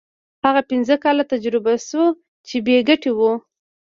هغه پنځه کاله تجربه شو چې بې ګټې وو.